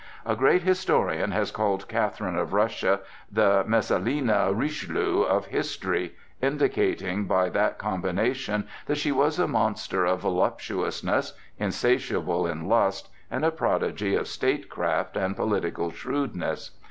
A great historian has called Catherine of Russia "the Messalina Richelieu" of history, indicating by that combination that she was a monster of voluptuousness, insatiable in lust, and a prodigy of statecraft and political shrewdness.